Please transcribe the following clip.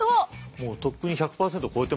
もうとっくに１００％超えてますよね。